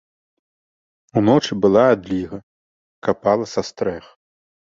Уночы была адліга, капала са стрэх.